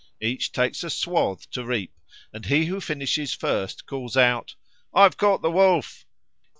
Each takes a swath to reap, and he who finishes first calls out, "I've caught the Wolf."